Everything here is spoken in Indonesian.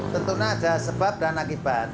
tentunya ada sebab dan akibat